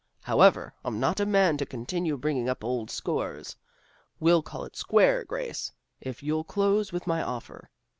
However, I'm not a man to continue bringing up old scores. We'll call it square, Grace, if you'll close with my offer.